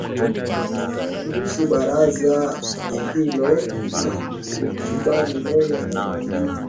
kuhusu baraza hilo na kulikubali mara moja